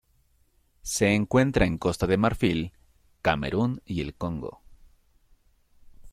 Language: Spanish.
Se encuentra en Costa de Marfil Camerún y el Congo.